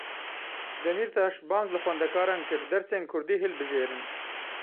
Demîrtaş bang li xwendekaran kir: Dersên Kurdî hilbijêrin.